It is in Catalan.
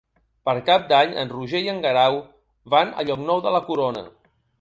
Per Cap d'Any en Roger i en Guerau van a Llocnou de la Corona.